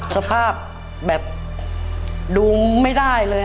สภาพแบบดูไม่ได้เลย